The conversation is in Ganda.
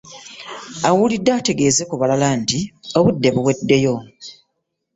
Awulidde ategeeze ku balala nti obudde buweddeyo.